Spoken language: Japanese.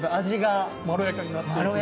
まろやかになっていくという。